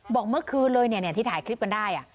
บอกเมื่อคืนเลยที่ถ่ายคลิปกันได้